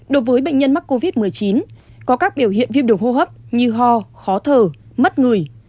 đối với bệnh nhân mắc covid một mươi chín có các biểu hiện viêm đường hô hấp như ho khó thở mất người